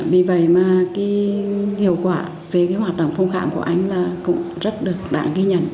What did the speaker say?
vì vậy mà hiệu quả về hoạt động phong khảm của anh cũng rất đáng ghi nhận